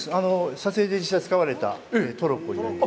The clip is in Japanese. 撮影で実際に使われたトロッコになります。